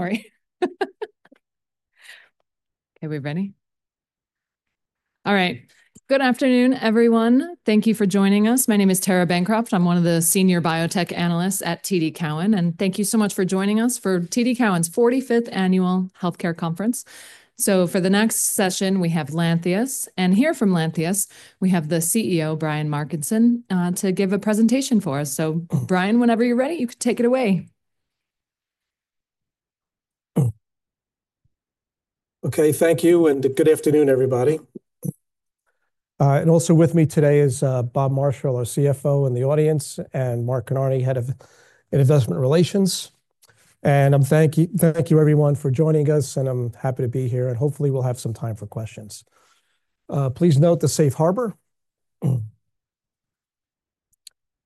Sorry. Okay, we're ready? All right. Good afternoon, everyone. Thank you for joining us. My name is Tara Bancroft. I'm one of the senior biotech analysts at TD Cowen. And thank you so much for joining us for TD Cowen's 45th Annual Healthcare Conference. So for the next session, we have Lantheus. And here from Lantheus, we have the CEO, Brian Markison, to give a presentation for us. So Brian, whenever you're ready, you can take it away. Okay, thank you. And good afternoon, everybody. And also with me today is Bob Marshall, our CFO, in the audience, and Mark Kinarney, head of Investor Relations. And thank you, everyone, for joining us. And I'm happy to be here. And hopefully, we'll have some time for questions. Please note the Safe Harbor.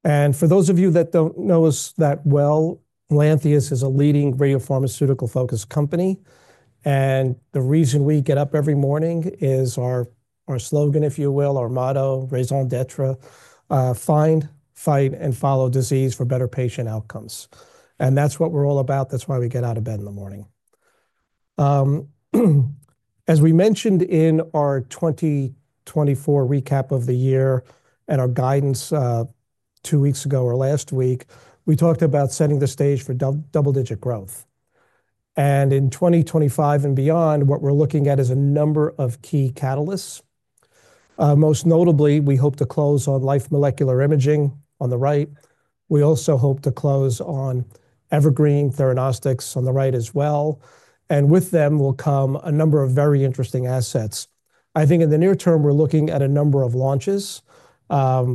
And for those of you that don't know us that well, Lantheus is a leading radiopharmaceutical-focused company. And the reason we get up every morning is our slogan, if you will, our motto, raison d'être: find, fight, and follow disease for better patient outcomes. And that's what we're all about. That's why we get out of bed in the morning. As we mentioned in our 2024 recap of the year and our guidance two weeks ago or last week, we talked about setting the stage for double-digit growth. In 2025 and beyond, what we're looking at is a number of key catalysts. Most notably, we hope to close on Life Molecular Imaging on the right. We also hope to close on Evergreen Theranostics on the right as well. With them will come a number of very interesting assets. I think in the near term, we're looking at a number of launches.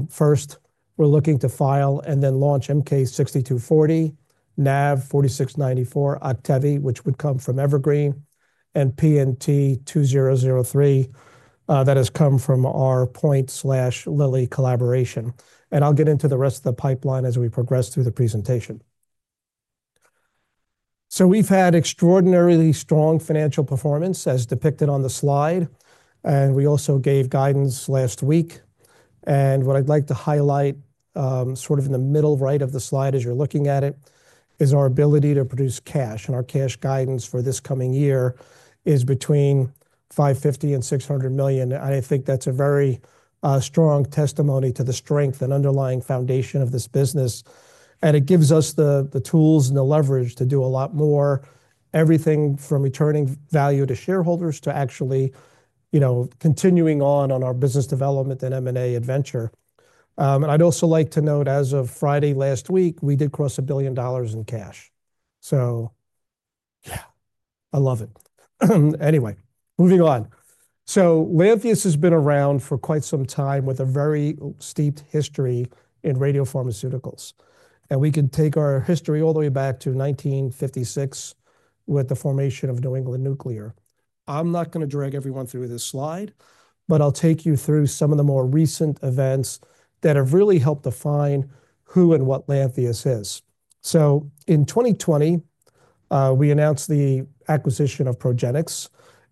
First, we're looking to file and then launch MK-6240, NAV-4694, Octave, which would come from Evergreen, and PNT2003 that has come from our POINT/Lilly collaboration. I'll get into the rest of the pipeline as we progress through the presentation. We've had extraordinarily strong financial performance, as depicted on the slide. We also gave guidance last week. What I'd like to highlight sort of in the middle right of the slide as you're looking at it is our ability to produce cash. Our cash guidance for this coming year is between $550 million-$600 million. And I think that's a very strong testimony to the strength and underlying foundation of this business. And it gives us the tools and the leverage to do a lot more, everything from returning value to shareholders to actually continuing on our business development and M&A adventure. And I'd also like to note, as of Friday last week, we did cross $1 billion in cash. So yeah, I love it. Anyway, moving on. So Lantheus has been around for quite some time with a very steeped history in radiopharmaceuticals. And we can take our history all the way back to 1956 with the formation of New England Nuclear. I'm not going to drag everyone through this slide, but I'll take you through some of the more recent events that have really helped define who and what Lantheus is. So in 2020, we announced the acquisition of Progenics.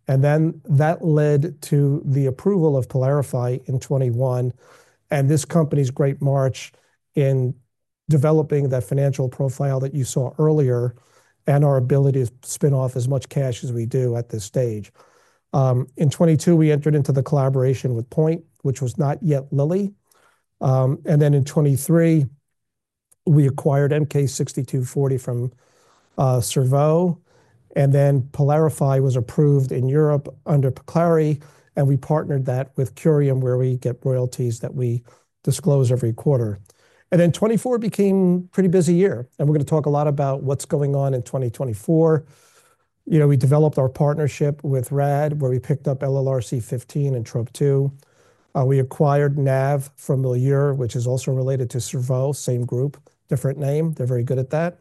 And then that led to the approval of Pylarify in 2021 and this company's great march in developing that financial profile that you saw earlier and our ability to spin off as much cash as we do at this stage. In 2022, we entered into the collaboration with POINT, which was not yet Lilly. And then in 2023, we acquired MK-6240 from Cerveau. And then Pylarify was approved in Europe under Pylclari. And we partnered that with Curium, where we get royalties that we disclose every quarter. And then 2024 became a pretty busy year. And we're going to talk a lot about what's going on in 2024. We developed our partnership with RAD, where we picked up LLRC15 and Trop-2. We acquired NAV from Meilleur, which is also related to Cerveau, same group, different name. They're very good at that.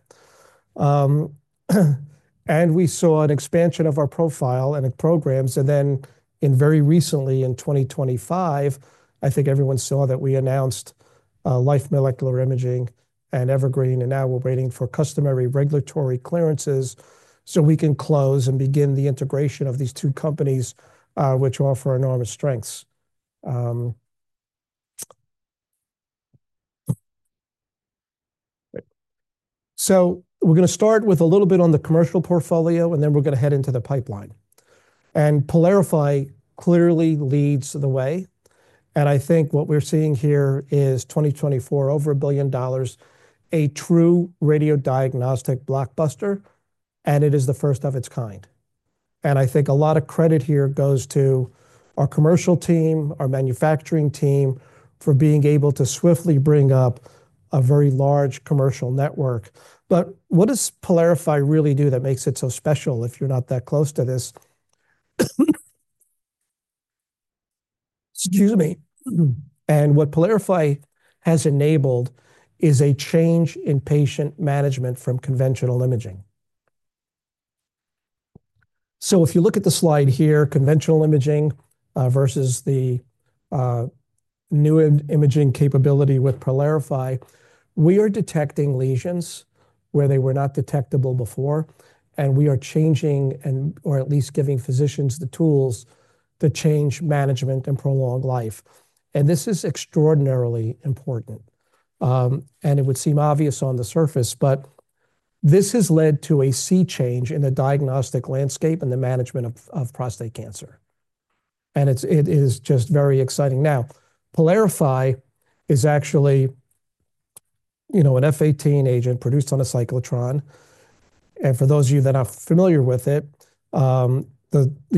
And we saw an expansion of our profile and programs. And then very recently, in 2025, I think everyone saw that we announced Life Molecular Imaging and Evergreen. And now we're waiting for customary regulatory clearances so we can close and begin the integration of these two companies, which offer enormous strengths. So we're going to start with a little bit on the commercial portfolio, and then we're going to head into the pipeline. And Pylarify clearly leads the way. And I think what we're seeing here is 2024, over $1 billion, a true radio diagnostic blockbuster. And it is the first of its kind. I think a lot of credit here goes to our commercial team, our manufacturing team, for being able to swiftly bring up a very large commercial network. What does Pylarify really do that makes it so special, if you're not that close to this? Excuse me. What Pylarify has enabled is a change in patient management from conventional imaging. If you look at the slide here, conventional imaging versus the new imaging capability with Pylarify, we are detecting lesions where they were not detectable before. We are changing, or at least giving physicians the tools to change management and prolong life. This is extraordinarily important. It would seem obvious on the surface, but this has led to a sea change in the diagnostic landscape and the management of prostate cancer. It is just very exciting. Now, Pylarify is actually an F-18 agent produced on a cyclotron. And for those of you that aren't familiar with it, the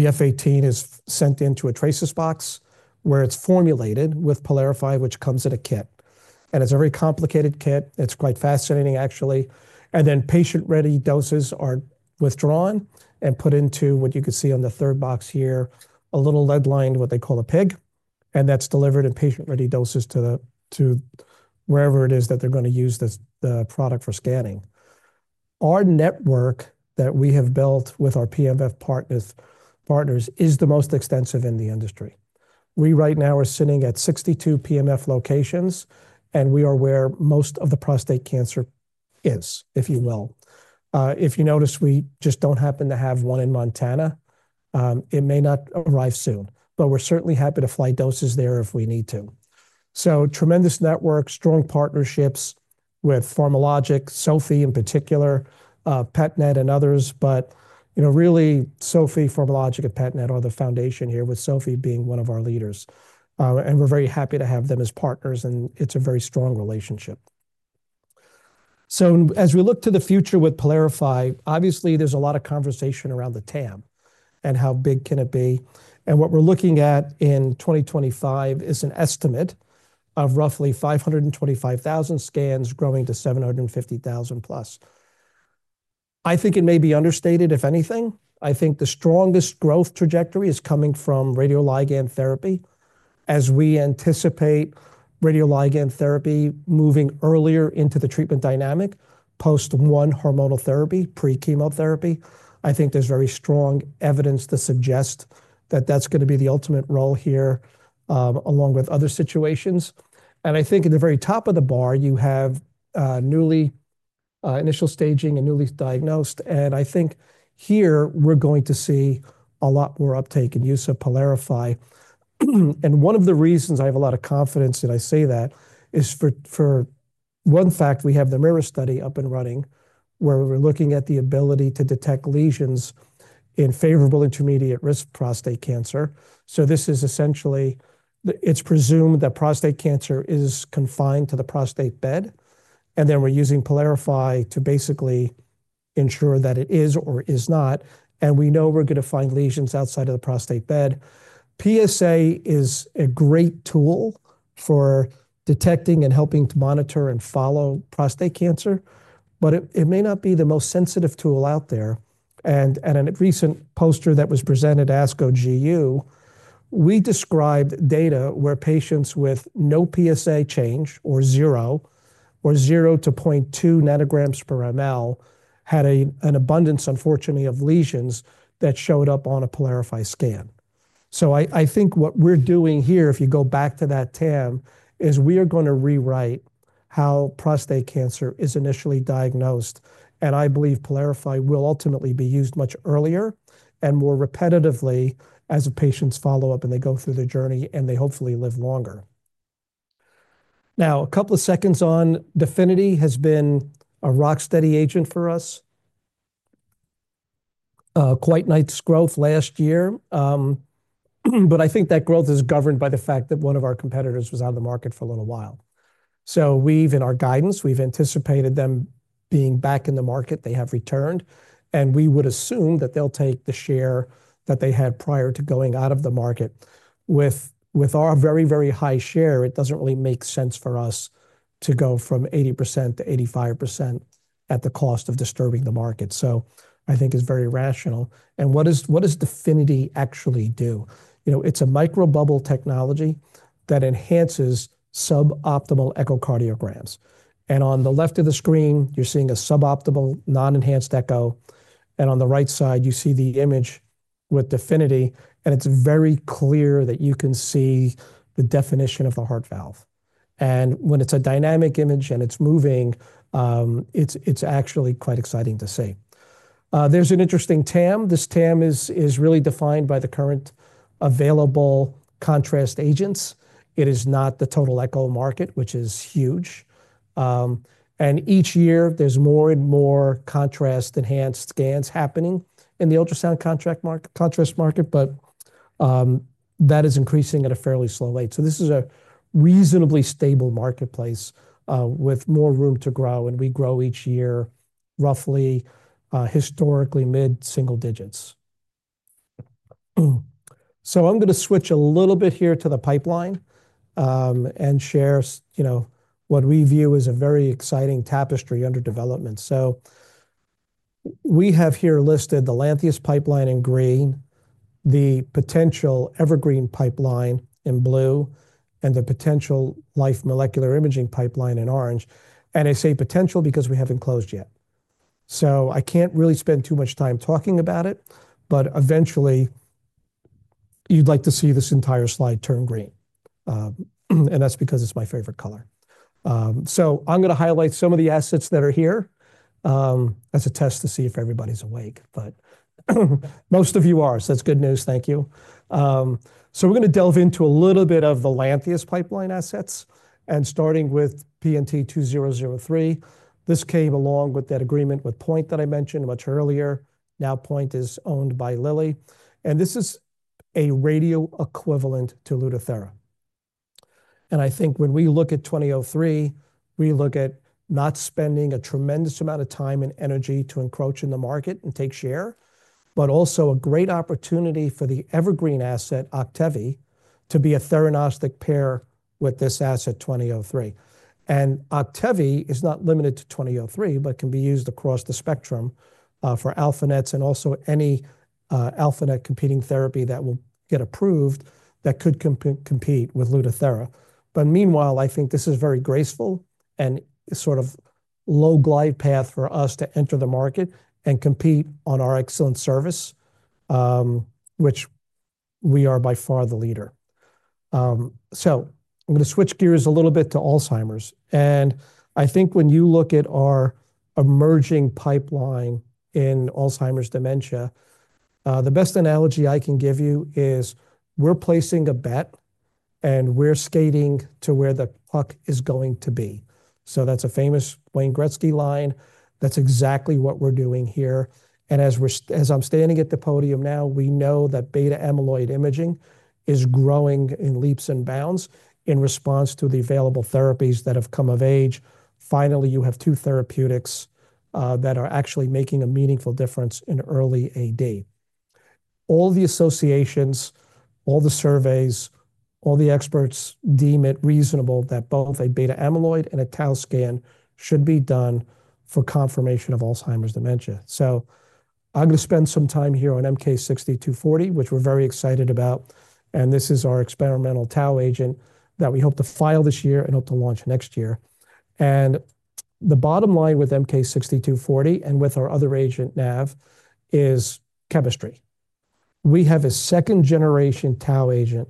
F-18 is sent into a tracer's box where it's formulated with Pylarify, which comes in a kit. And it's a very complicated kit. It's quite fascinating, actually. And then patient-ready doses are withdrawn and put into what you can see on the third box here, a little lead-lined, what they call a pig. And that's delivered in patient-ready doses to wherever it is that they're going to use the product for scanning. Our network that we have built with our PMF partners is the most extensive in the industry. We right now are sitting at 62 PMF locations. And we are where most of the prostate cancer is, if you will. If you notice, we just don't happen to have one in Montana. It may not arrive soon. But we're certainly happy to fly doses there if we need to. So tremendous network, strong partnerships with PharmaLogic, SOFIE in particular, PETNET, and others. But really, SOFIE, PharmaLogic, and PETNET are the foundation here, with SOFIE being one of our leaders. And we're very happy to have them as partners. And it's a very strong relationship. So as we look to the future with PYLARIFY, obviously, there's a lot of conversation around the TAM and how big can it be. And what we're looking at in 2025 is an estimate of roughly 525,000 scans growing to 750,000 plus. I think it may be understated, if anything. I think the strongest growth trajectory is coming from radioligand therapy, as we anticipate radioligand therapy moving earlier into the treatment dynamic post one hormonal therapy, pre-chemotherapy. I think there's very strong evidence to suggest that that's going to be the ultimate role here, along with other situations. I think at the very top of the bar, you have newly initial staging and newly diagnosed. I think here we're going to see a lot more uptake and use of Pylarify. One of the reasons I have a lot of confidence that I say that is for one fact, we have the MIRA study up and running, where we're looking at the ability to detect lesions in favorable intermediate risk prostate cancer. This is essentially it's presumed that prostate cancer is confined to the prostate bed. Then we're using Pylarify to basically ensure that it is or is not. We know we're going to find lesions outside of the prostate bed. PSA is a great tool for detecting and helping to monitor and follow prostate cancer, but it may not be the most sensitive tool out there, and in a recent poster that was presented to ASCO GU, we described data where patients with no PSA change or zero or 0 to 0.2 nanograms per mL had an abundance, unfortunately, of lesions that showed up on a Pylarify scan, so I think what we're doing here, if you go back to that TAM, is we are going to rewrite how prostate cancer is initially diagnosed, and I believe Pylarify will ultimately be used much earlier and more repetitively as patients follow up and they go through the journey and they hopefully live longer. Now, a couple of seconds on DEFINITY has been a rock steady agent for us, quite nice growth last year. But I think that growth is governed by the fact that one of our competitors was out of the market for a little while. So, in our guidance, we've anticipated them being back in the market. They have returned. And we would assume that they'll take the share that they had prior to going out of the market. With our very, very high share, it doesn't really make sense for us to go from 80%-85% at the cost of disturbing the market. So I think it's very rational. And what does DEFINITY actually do? It's a microbubble technology that enhances suboptimal echocardiograms. And on the left of the screen, you're seeing a suboptimal non-enhanced echo. And on the right side, you see the image with DEFINITY. And it's very clear that you can see the definition of the heart valve. When it's a dynamic image and it's moving, it's actually quite exciting to see. There's an interesting TAM. This TAM is really defined by the current available contrast agents. It is not the total echo market, which is huge. Each year, there's more and more contrast-enhanced scans happening in the ultrasound contrast market. That is increasing at a fairly slow rate. This is a reasonably stable marketplace with more room to grow. We grow each year, roughly, historically, mid-single digits. I'm going to switch a little bit here to the pipeline and share what we view as a very exciting tapestry under development. We have here listed the Lantheus pipeline in green, the potential Evergreen pipeline in blue, and the potential Life Molecular Imaging pipeline in orange. I say potential because we haven't closed yet. So I can't really spend too much time talking about it. But eventually, you'd like to see this entire slide turn green. And that's because it's my favorite color. So I'm going to highlight some of the assets that are here as a test to see if everybody's awake. But most of you are. So that's good news. Thank you. So we're going to delve into a little bit of the Lantheus pipeline assets. And starting with PNT2003, this came along with that agreement with Point that I mentioned much earlier. Now Point is owned by Lilly. And this is a radio equivalent to Lutathera. And I think when we look at 2003, we look at not spending a tremendous amount of time and energy to encroach in the market and take share, but also a great opportunity for the Evergreen asset, Octave, to be a theranostic pair with this asset 2003. And Octave is not limited to 2003, but can be used across the spectrum for Alpha NETs and also any alphanet competing therapy that will get approved that could compete with Lutathera. But meanwhile, I think this is very graceful and sort of low glide path for us to enter the market and compete on our excellent service, which we are by far the leader. So I'm going to switch gears a little bit to Alzheimer's. I think when you look at our emerging pipeline in Alzheimer's dementia, the best analogy I can give you is we're placing a bet and we're skating to where the puck is going to be. So that's a famous Wayne Gretzky line. That's exactly what we're doing here. And as I'm standing at the podium now, we know that beta amyloid imaging is growing in leaps and bounds in response to the available therapies that have come of age. Finally, you have two therapeutics that are actually making a meaningful difference in early AD. All the associations, all the surveys, all the experts deem it reasonable that both a beta amyloid and a TAU scan should be done for confirmation of Alzheimer's dementia. So I'm going to spend some time here on MK-6240, which we're very excited about. This is our experimental TAU agent that we hope to file this year and hope to launch next year. The bottom line with MK-6240 and with our other agent, NAV, is chemistry. We have a second-generation TAU agent,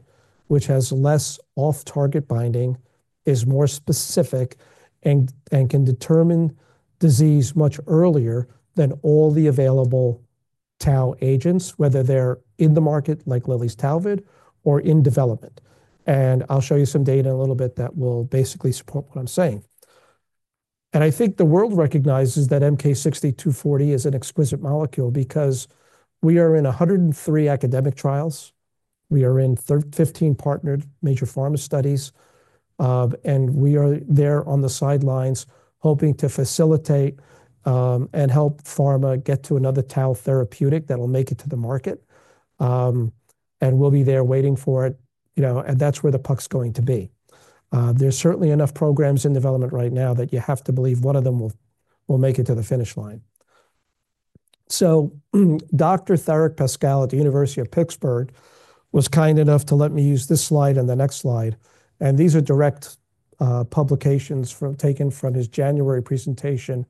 which has less off-target binding, is more specific, and can determine disease much earlier than all the available TAU agents, whether they're in the market like Lilly's Tauvid or in development. I'll show you some data in a little bit that will basically support what I'm saying. I think the world recognizes that MK-6240 is an exquisite molecule because we are in 103 academic trials. We are in 15 partnered major pharma studies. We are there on the sidelines hoping to facilitate and help pharma get to another TAU therapeutic that will make it to the market. We'll be there waiting for it. And that's where the puck's going to be. There's certainly enough programs in development right now that you have to believe one of them will make it to the finish line. So Dr. Tharick Pascoal at the University of Pittsburgh was kind enough to let me use this slide and the next slide. And these are direct publications taken from his January presentation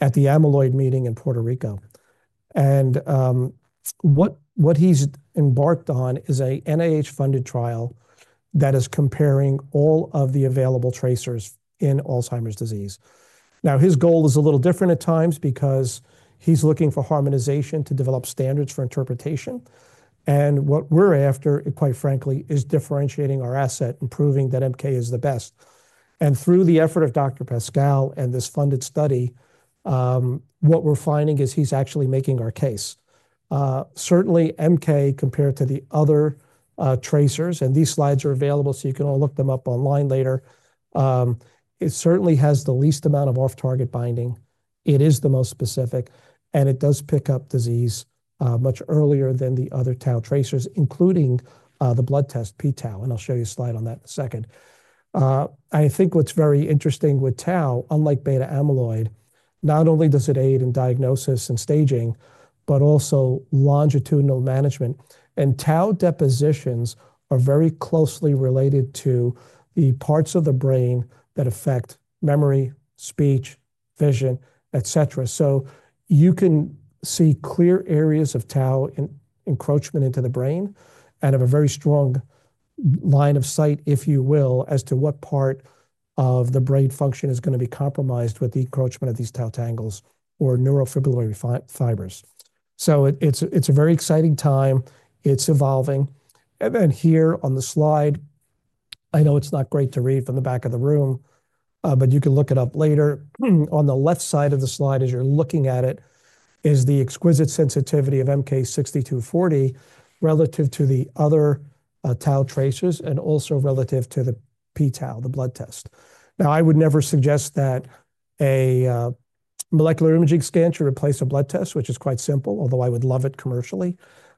at the Amyloid Meeting in Puerto Rico. And what he's embarked on is an NIH-funded trial that is comparing all of the available tracers in Alzheimer's disease. Now, his goal is a little different at times because he's looking for harmonization to develop standards for interpretation. And what we're after, quite frankly, is differentiating our asset, proving that MK is the best. And through the effort of Dr. Pascoal and this funded study, what we're finding is he's actually making our case. Certainly, MK, compared to the other tracers, and these slides are available, so you can all look them up online later, it certainly has the least amount of off-target binding. It is the most specific. And it does pick up disease much earlier than the other TAU tracers, including the blood test p-Tau. And I'll show you a slide on that in a second. I think what's very interesting with TAU, unlike beta-amyloid, not only does it aid in diagnosis and staging, but also longitudinal management. And TAU depositions are very closely related to the parts of the brain that affect memory, speech, vision, etc. You can see clear areas of tau encroachment into the brain and have a very strong line of sight, if you will, as to what part of the brain function is going to be compromised with the encroachment of these tau tangles or neurofibrillary fibers. It's a very exciting time. It's evolving. And then here on the slide, I know it's not great to read from the back of the room, but you can look it up later. On the left side of the slide, as you're looking at it, is the exquisite sensitivity of MK-6240 relative to the other tau tracers and also relative to the p-Tau, the blood test. Now, I would never suggest that a molecular imaging scan should replace a blood test, which is quite simple, although I would love it commercially.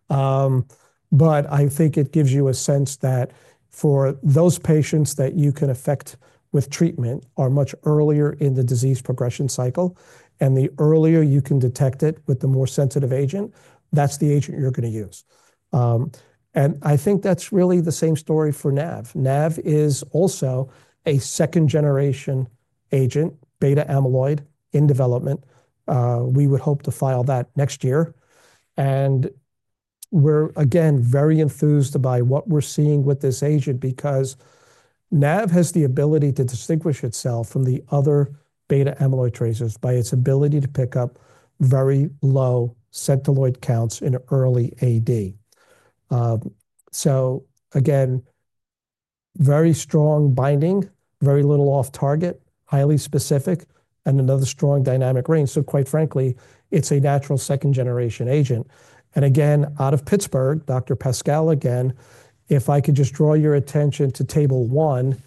But I think it gives you a sense that for those patients that you can affect with treatment are much earlier in the disease progression cycle. And the earlier you can detect it with the more sensitive agent, that's the agent you're going to use. And I think that's really the same story for NAV. NAV is also a second-generation agent, beta-amyloid in development. We would hope to file that next year. And we're, again, very enthused by what we're seeing with this agent because NAV has the ability to distinguish itself from the other beta-amyloid tracers by its ability to pick up very low Centiloid counts in early AD. So again, very strong binding, very little off-target, highly specific, and another strong dynamic range. So quite frankly, it's a natural second-generation agent. And again, out of Pittsburgh, Dr. Pascoal, again, if I could just draw your attention to table one,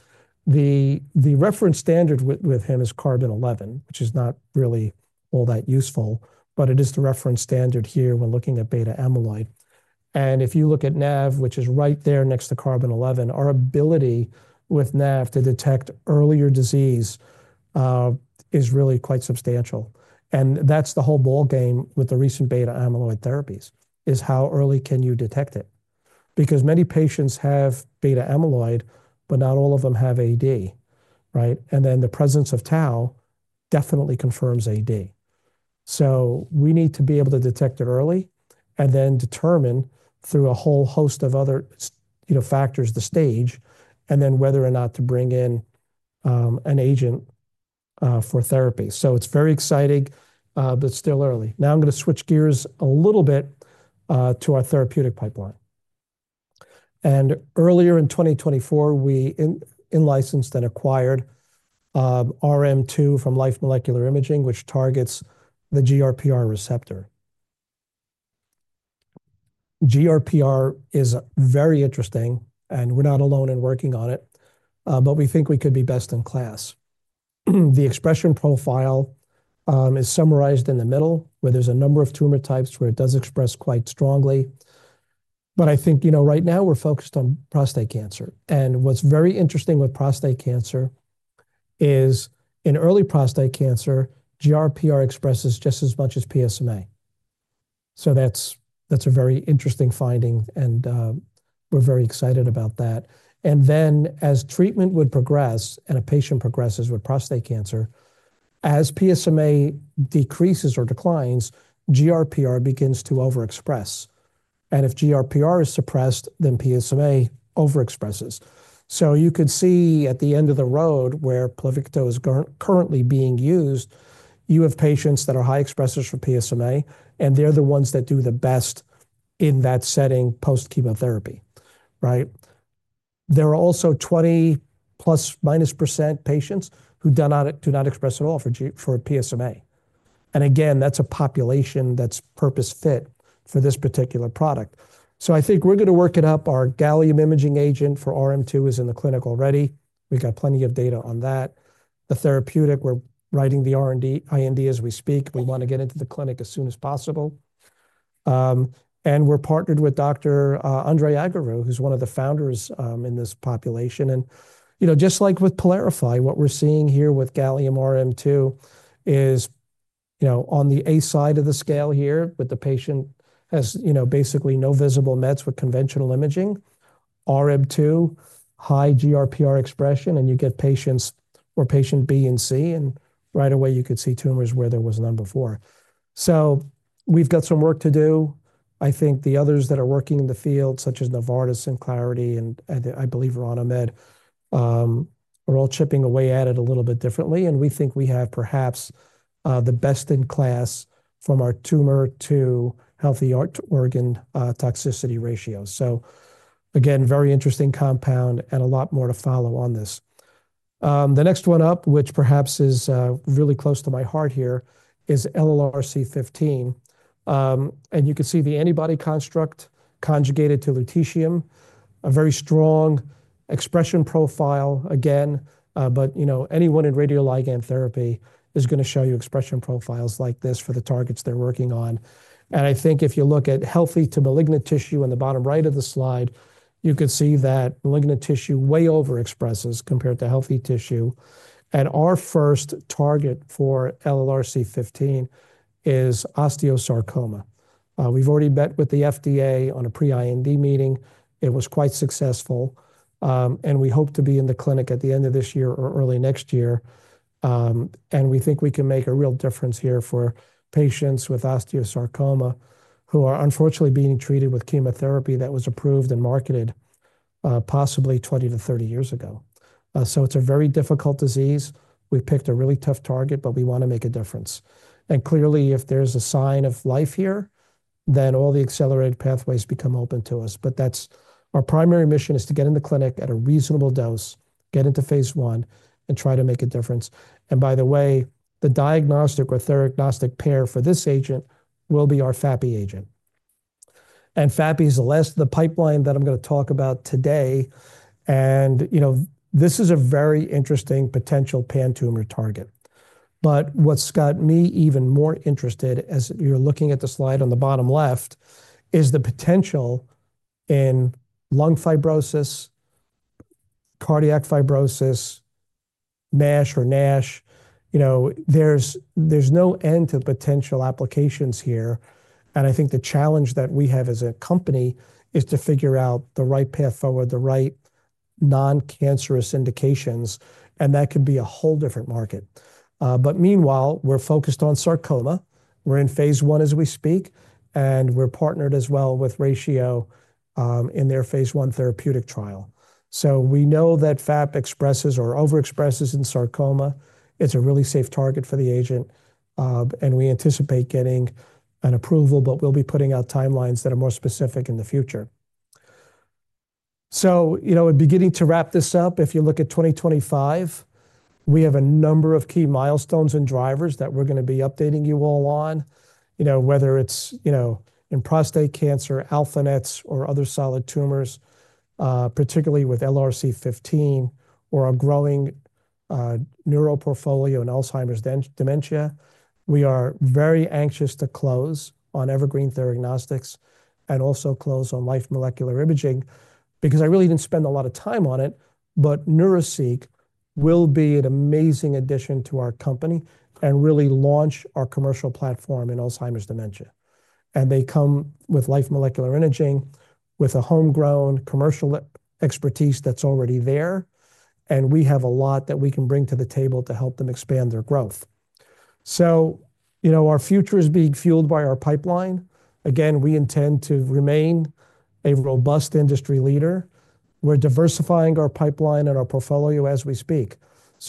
the reference standard with him is Carbon-11, which is not really all that useful, but it is the reference standard here when looking at beta-amyloid. If you look at NAV, which is right there next to Carbon-11, our ability with NAV to detect earlier disease is really quite substantial. That's the whole ball game with the recent beta-amyloid therapies is how early can you detect it. Because many patients have beta-amyloid, but not all of them have AD, right? Then the presence of tau definitely confirms AD. We need to be able to detect it early and then determine through a whole host of other factors the stage and then whether or not to bring in an agent for therapy. It's very exciting, but still early. Now I'm going to switch gears a little bit to our therapeutic pipeline. And earlier in 2024, we licensed and acquired RM2 from Life Molecular Imaging, which targets the GRPR receptor. GRPR is very interesting, and we're not alone in working on it, but we think we could be best in class. The expression profile is summarized in the middle, where there's a number of tumor types where it does express quite strongly. But I think right now we're focused on prostate cancer. And what's very interesting with prostate cancer is in early prostate cancer, GRPR expresses just as much as PSMA. So that's a very interesting finding, and we're very excited about that. And then as treatment would progress and a patient progresses with prostate cancer, as PSMA decreases or declines, GRPR begins to overexpress. And if GRPR is suppressed, then PSMA overexpresses. You could see at the end of the road where Pluvicto is currently being used. You have patients that are high expressors for PSMA, and they're the ones that do the best in that setting post-chemotherapy, right? There are also 20% plus or minus patients who do not express at all for PSMA. Again, that's a population that's purpose-fit for this particular product. I think we're going to work it up. Our gallium imaging agent for RM2 is in the clinic already. We've got plenty of data on that. The therapeutic, we're writing the R&D IND as we speak. We want to get into the clinic as soon as possible. We're partnered with Dr. Andrei Iagaru, who's one of the founders in this population. And just like with Pylarify, what we're seeing here with gallium RM2 is on the A side of the scale here with the patient has basically no visible mets with conventional imaging, RM2, high GRPR expression, and you get patients or patient B and C, and right away you could see tumors where there was none before. So we've got some work to do. I think the others that are working in the field, such as Novartis and Clarity, and I believe Orano Med, are all chipping away at it a little bit differently. And we think we have perhaps the best in class from our tumor to healthy organ toxicity ratios. So again, very interesting compound and a lot more to follow on this. The next one up, which perhaps is really close to my heart here, is LLRC15. You can see the antibody construct conjugated to lutetium, a very strong expression profile, again. But anyone in radioligand therapy is going to show you expression profiles like this for the targets they're working on. I think if you look at healthy to malignant tissue on the bottom right of the slide, you can see that malignant tissue way overexpresses compared to healthy tissue. Our first target for LLRC15 is osteosarcoma. We've already met with the FDA on a pre-IND meeting. It was quite successful. We hope to be in the clinic at the end of this year or early next year. We think we can make a real difference here for patients with osteosarcoma who are unfortunately being treated with chemotherapy that was approved and marketed possibly 20-30 years ago. So it's a very difficult disease. We've picked a really tough target, but we want to make a difference. And clearly, if there's a sign of life here, then all the accelerated pathways become open to us. But our primary mission is to get in the clinic at a reasonable dose, get into phase one, and try to make a difference. And by the way, the diagnostic or theranostic pair for this agent will be our FAPI agent. And FAPI is the last of the pipeline that I'm going to talk about today. And this is a very interesting potential pan-tumor target. But what's got me even more interested, as you're looking at the slide on the bottom left, is the potential in lung fibrosis, cardiac fibrosis, MASH or NASH. There's no end to potential applications here. I think the challenge that we have as a company is to figure out the right path forward, the right non-cancerous indications. And that could be a whole different market. But meanwhile, we're focused on sarcoma. We're in phase one as we speak. And we're partnered as well with Ratio in their phase one therapeutic trial. So we know that FAP expresses or overexpresses in sarcoma. It's a really safe target for the agent. And we anticipate getting an approval, but we'll be putting out timelines that are more specific in the future. So we're beginning to wrap this up. If you look at 2025, we have a number of key milestones and drivers that we're going to be updating you all on, whether it's in prostate cancer, Alpha NETs, or other solid tumors, particularly with LLRC15, or a growing neuro portfolio in Alzheimer's dementia. We are very anxious to close on Evergreen Theranostics and also close on Life Molecular Imaging because I really didn't spend a lot of time on it, but Neuraceq will be an amazing addition to our company and really launch our commercial platform in Alzheimer's dementia. They come with Life Molecular Imaging with a homegrown commercial expertise that's already there. We have a lot that we can bring to the table to help them expand their growth. Our future is being fueled by our pipeline. Again, we intend to remain a robust industry leader. We're diversifying our pipeline and our portfolio as we speak.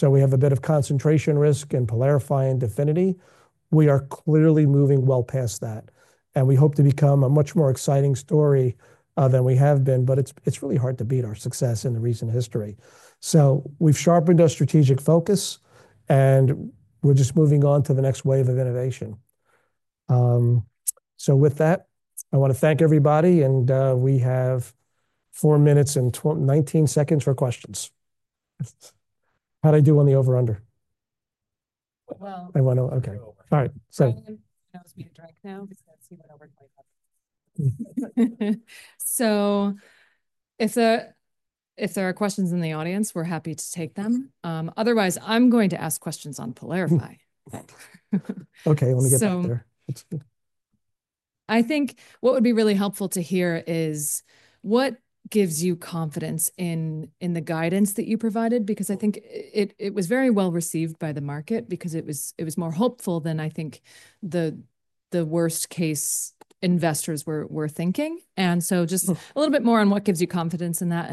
We have a bit of concentration risk in Pylarify and DEFINITY. We are clearly moving well past that. We hope to become a much more exciting story than we have been, but it's really hard to beat our success in recent history, so we've sharpened our strategic focus, and we're just moving on to the next wave of innovation, so with that, I want to thank everybody, and we have four minutes and 19 seconds for questions. How'd I do on the over/under? Well, I was being direct now, so if there are questions in the audience, we're happy to take them. Otherwise, I'm going to ask questions on Pylarify. Okay. Let me get that there. I think what would be really helpful to hear is what gives you confidence in the guidance that you provided? Because I think it was very well received by the market because it was more hopeful than I think the worst-case investors were thinking. And so just a little bit more on what gives you confidence in that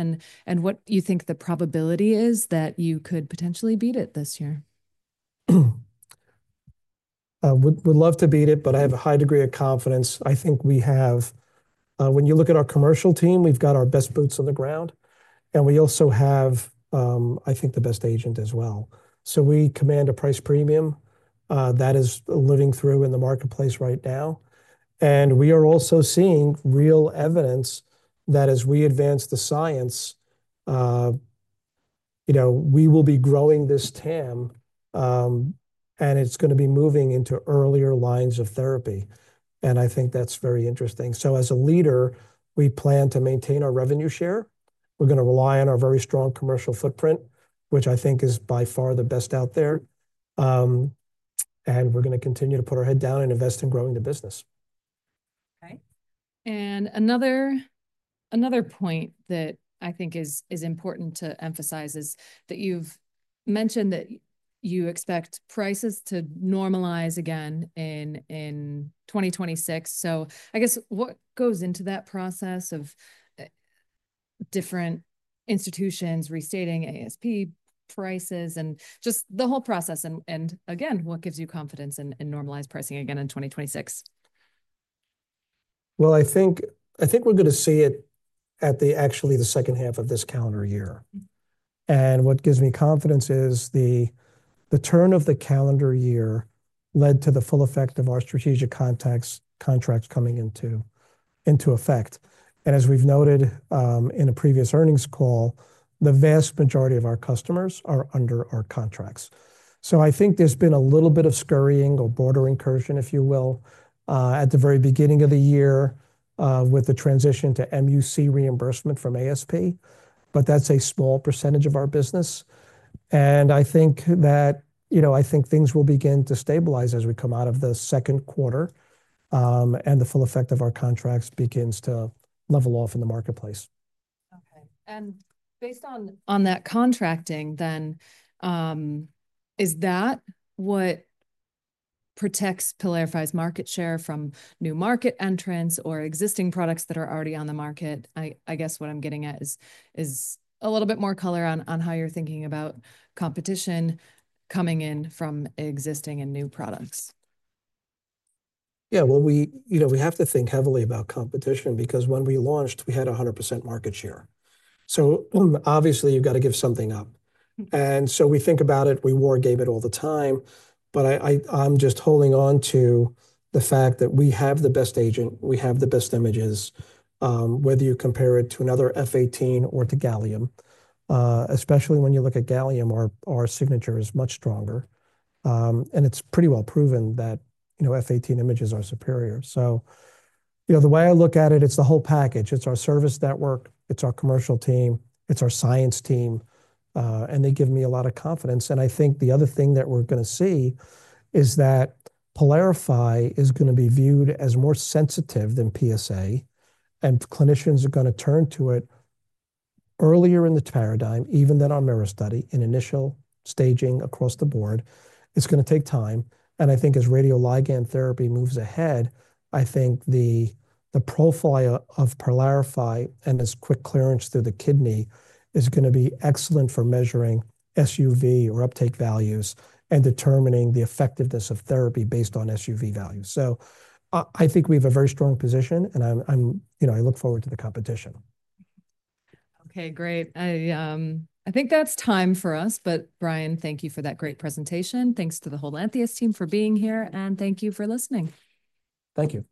and what you think the probability is that you could potentially beat it this year. Would love to beat it, but I have a high degree of confidence. I think we have, when you look at our commercial team, we've got our best boots on the ground. And we also have, I think, the best agent as well. So we command a price premium that is living through in the marketplace right now. And we are also seeing real evidence that as we advance the science, we will be growing this TAM, and it's going to be moving into earlier lines of therapy. And I think that's very interesting. So as a leader, we plan to maintain our revenue share. We're going to rely on our very strong commercial footprint, which I think is by far the best out there. And we're going to continue to put our head down and invest in growing the business. Okay. And another point that I think is important to emphasize is that you've mentioned that you expect prices to normalize again in 2026. So I guess what goes into that process of different institutions restating ASP prices and just the whole process? And again, what gives you confidence in normalized pricing again in 2026? Well, I think we're going to see it at actually the second half of this calendar year. And what gives me confidence is the turn of the calendar year led to the full effect of our strategic contracts coming into effect. And as we've noted in a previous earnings call, the vast majority of our customers are under our contracts. So I think there's been a little bit of scurrying or border incursion, if you will, at the very beginning of the year with the transition to MAC reimbursement from ASP, but that's a small percentage of our business. And I think that things will begin to stabilize as we come out of the second quarter and the full effect of our contracts begins to level off in the marketplace. Okay. And based on that contracting, then is that what protects Pylarify's market share from new market entrants or existing products that are already on the market? I guess what I'm getting at is a little bit more color on how you're thinking about competition coming in from existing and new products. Yeah. We have to think heavily about competition because when we launched, we had 100% market share. Obviously, you've got to give something up, and we think about it. We war-game it all the time. I'm just holding on to the fact that we have the best agent. We have the best images, whether you compare it to another F-18 or to Gallium, especially when you look at Gallium. Our signal is much stronger. It's pretty well proven that F-18 images are superior. The way I look at it, it's the whole package. It's our service network. It's our commercial team. It's our science team, and they give me a lot of confidence. I think the other thing that we're going to see is that Pylarify is going to be viewed as more sensitive than PSA. Clinicians are going to turn to it earlier in the paradigm, even than our MIRA study in initial staging across the board. It's going to take time. I think as radioligand therapy moves ahead, I think the profile of Pylarify and its quick clearance through the kidney is going to be excellent for measuring SUV or uptake values and determining the effectiveness of therapy based on SUV values. I think we have a very strong position, and I look forward to the competition. Okay. Great. I think that's time for us. Brian, thank you for that great presentation. Thanks to the whole Lantheus team for being here. Thank you for listening. Thank you.